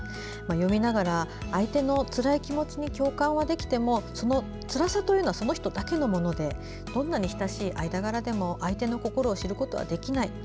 読みながら、相手のつらい気持ちに共感できてもそのつらさはその人だけのものでどんなに親しい間柄でも相手の心を知ることはできない。